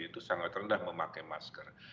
itu sangat rendah memakai masker